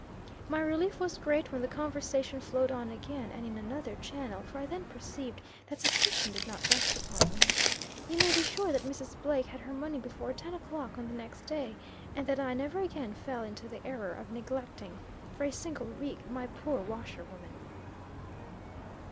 "My relief was great when the conversation flowed on again, and in another channel; for I then perceived that suspicion did not rest upon me. You may be sure that Mrs. Blake had her money before ten o'clock on the next day, and that I never again fell into the error of neglecting, for a single week, my poor washerwoman."